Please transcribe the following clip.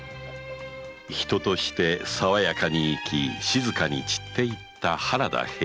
人として爽やかに生き静かに散っていった原田平八郎